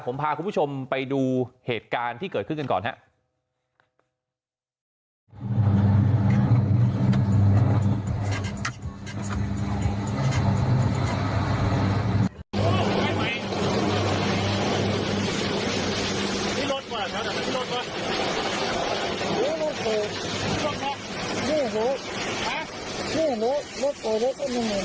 ผมพาคุณผู้ชมไปดูเหตุการณ์ที่เกิดขึ้นกันก่อนครับ